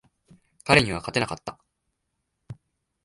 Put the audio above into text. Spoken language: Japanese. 彼には勝てなかった。